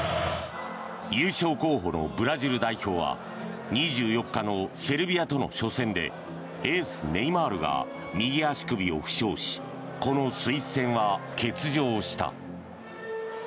優勝候補のブラジル代表は２４日のセルビアとの初戦でエース、ネイマールが右足首を負傷しこのスイス戦は欠場した。